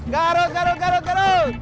garut garut garut garut